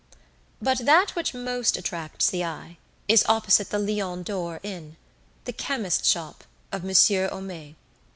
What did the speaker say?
But that which most attracts the eye is opposite the Lion d'Or inn, the chemist's shop of Monsieur Homais.